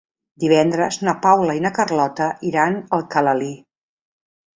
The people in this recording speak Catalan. Divendres na Paula i na Carlota iran a Alcalalí.